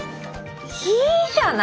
いいじゃない！